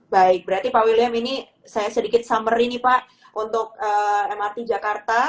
baik berarti pak william ini saya sedikit summer ini pak untuk mrt jakarta